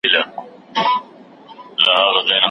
مېړني دي چي یادیږي په سندرو تر ناورینه